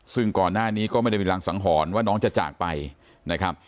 ซึ่งก่อนหน้านี้ก็ไม่ได้มีรังสังหรณ์ว่าน้องจะจากไปนะครับ